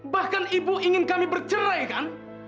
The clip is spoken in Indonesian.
bahkan ibu ingin kami bercerai kan